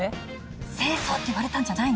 正装って言われたんじゃないの？